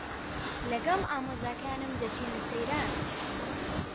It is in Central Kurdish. لەگەڵ ئامۆزاکانم دەچینە سەیران.